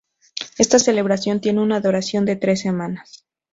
Esta celebración tiene una duración de tres semanas.